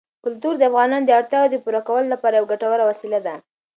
کلتور د افغانانو د اړتیاوو د پوره کولو لپاره یوه ګټوره وسیله ده.